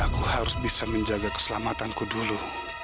aku harus bisa menjaga keselamatanku dulu